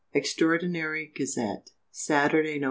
"EXTRAORDINARY GAZETTE, "SATURDAY, Nov.